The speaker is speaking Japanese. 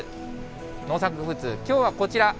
農作物、きょうはこちら。